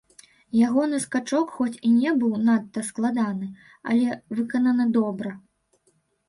Ягоны скачок хоць і не быў надта складаны, але выкананы добра.